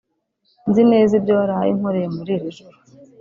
Nzi neza ibyo waraye unkoreye muri iri joro